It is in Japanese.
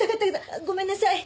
ごめんなさい。